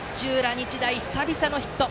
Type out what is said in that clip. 日大、久々のヒット！